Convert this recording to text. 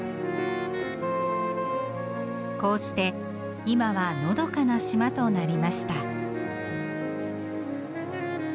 こうして今はのどかな島となりました。